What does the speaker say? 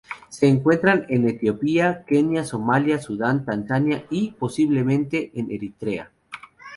Se encuentra en Etiopía, Kenia, Somalia, Sudán, Tanzania, y, posiblemente en Eritrea.